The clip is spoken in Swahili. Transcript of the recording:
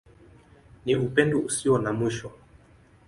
Ni Upendo Usio na Mwisho.